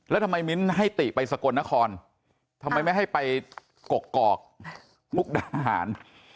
แล้วทำไมมิ้นให้ติไปสกลนครทำไมไม่ให้ไปกกอกมุกดาหาร